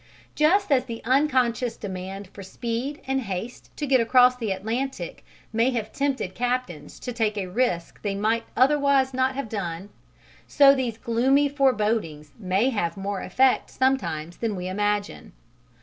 Just as the unconscious demand for speed and haste to get across the Atlantic may have tempted captains to take a risk they might otherwise not have done, so these gloomy forebodings may have more effect sometimes than we imagine.